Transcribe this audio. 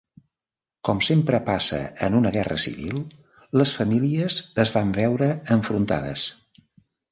Com sempre passa en una guerra civil, les famílies es van veure enfrontades.